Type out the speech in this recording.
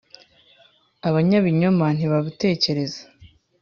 abanyabinyoma ntibabutekereza